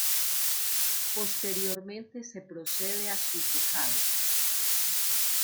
Posteriormente, se procede a su secado.